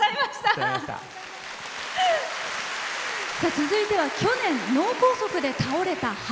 続いては去年、脳梗塞で倒れた母。